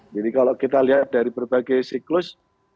jadi kalau kita lihat dari berbagai siklus